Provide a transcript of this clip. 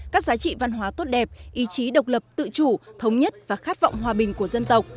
các giá trị văn hóa tốt đẹp ý chí độc lập tự chủ thống nhất và khát vọng hòa bình của dân tộc